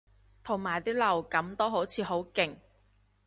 同埋啲流感都好似好勁